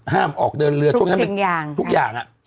ห้ามออกเดินเรือทุกอย่าง